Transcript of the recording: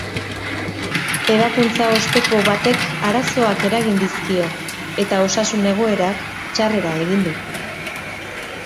Ebakuntza osteko batek arazoak eragin dizkio eta osasun egoerak txarrera egin du.